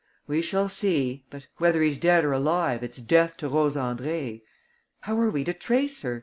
"We shall see. But, whether he's dead or alive, it's death to Rose Andrée. How are we to trace her?